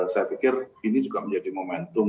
saya pikir ini juga menjadi momentum